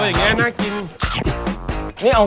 ตรงนั้นแน่นใกิน